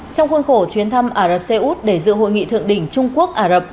trong khuôn khổ chuyến thăm ả rập xê út để dự hội nghị thượng đỉnh trung quốc ả rập